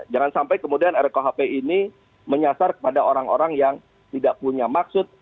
jangan sampai kemudian rkuhp ini menyasar kepada orang orang yang tidak punya maksud